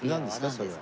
それは。